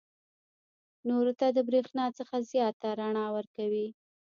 نورو ته د برېښنا څخه زیاته رڼا ورکوي.